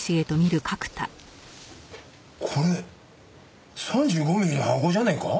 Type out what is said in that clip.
これ３５ミリの箱じゃねえか？